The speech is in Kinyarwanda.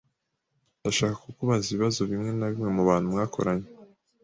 Ndashaka kukubaza ibibazo bimwe na bimwe mubantu mwakoranye